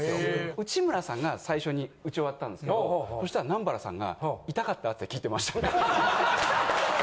内村さんが最初に打ち終わったんですけどそしたら南原さんが「痛かった？」って聞いてました。